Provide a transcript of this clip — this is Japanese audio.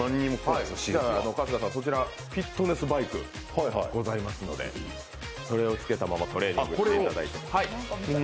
春日さん、そちらにフィットネスバイクがございますので、それを着けたままトレーニングしていただいて。